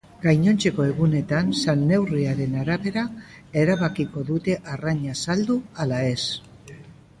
Gainontzeko egunetan salneurriaren arabera erabakiko dute arraina saldu ala ez.